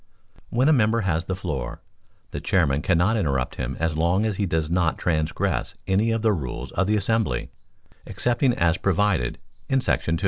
When a member has the floor, the chairman cannot interrupt him as long as he does not transgress any of the rules of the assembly, excepting as provided in § 2.